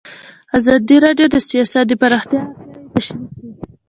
ازادي راډیو د سیاست د پراختیا اړتیاوې تشریح کړي.